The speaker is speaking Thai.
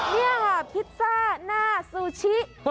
นี่ค่ะพิซซ่าหน้าซูชิ